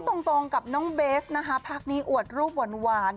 น้องตรงกับน้องเบสภาคนี้อวดรูปหวาน